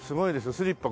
スリッパ